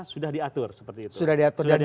sudah diatur seperti itu